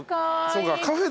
そうか。